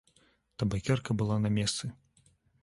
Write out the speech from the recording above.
Табакерка была на месцы.